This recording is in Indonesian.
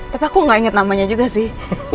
tapi aku gak inget namanya juga sih